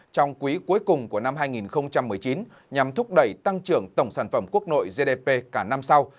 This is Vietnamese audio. trong quý cuối cùng của năm hai nghìn một mươi chín nhằm thúc đẩy tăng trưởng tổng sản phẩm quốc nội gdp cả năm sau